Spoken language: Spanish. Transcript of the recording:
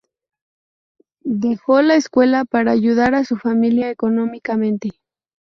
Dejó la escuela para ayudar a su familia económicamente.